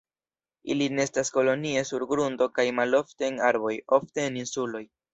Ili nestas kolonie sur grundo kaj malofte en arboj, ofte en insuloj.